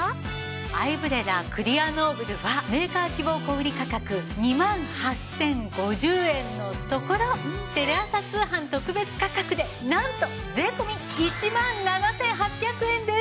アイブレラクリアノーブルはメーカー希望小売価格２万８０５０円のところテレ朝通販特別価格でなんと税込１万７８００円です。